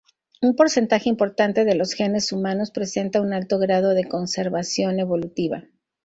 Un porcentaje importante de los genes humanos presenta un alto grado de conservación evolutiva.